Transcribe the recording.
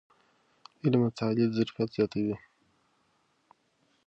علم د تحلیل ظرفیت زیاتوي.